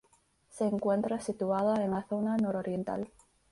Se encuentra situada en la zona nororiental.